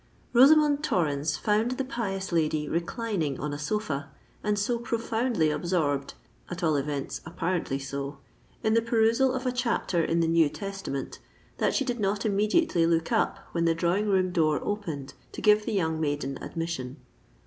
Rosamond Torrens found the pious lady reclining on a sofa, and so profoundly absorbed—at all events, apparently so—in the perusal of a chapter in the New Testament, that she did not immediately look up when the drawing room door opened to give the young maiden admission.